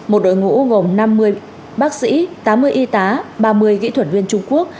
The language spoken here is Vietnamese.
một đội ngũ gồm năm mươi bác sĩ tám mươi y tá ba mươi kỹ thuật viên trung quốc